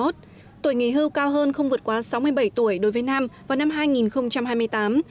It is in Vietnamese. tuổi nghỉ hưu cao hơn không vượt quá sáu mươi bảy tuổi đối với nam vào năm hai nghìn hai mươi tám